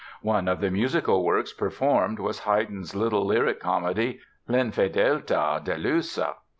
One of the musical works performed was Haydn's little lyric comedy, "L'infedeltà delusa".